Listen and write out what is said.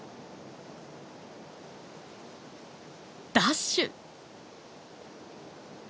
ダッシュ。